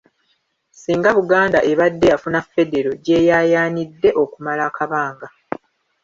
Singa Buganda ebadde yafuna ffedero gy’eyaayaanidde okumala akabanga